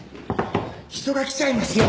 人が来ちゃいますよ。